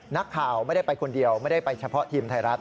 นักข่าวไม่ได้ไปคนเดียวไม่ได้ไปเฉพาะทีมไทยรัฐ